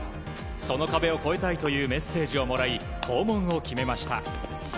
その壁を越えたいというメッセージをもらい訪問を決めました。